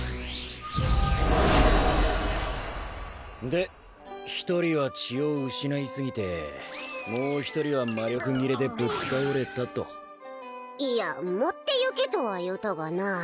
で一人は血を失いすぎてもう一人は魔力切れでぶっ倒れたといや持ってゆけとは言うたがな